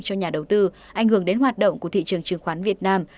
cho nhà đầu tư ảnh hưởng đến hoạt động của thị trường chứng khoán việt nam